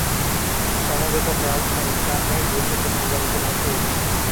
সমবেত প্রার্থনা ইসলামের গুরুত্বপূর্ণ ইবাদতের মধ্যে একটি।